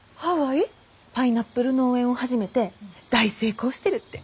パイナップル農園を始めて大成功してるって。